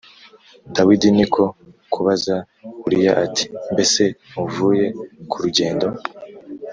Dawidi ni ko kubaza Uriya ati “Mbese ntuvuye ku rugendo?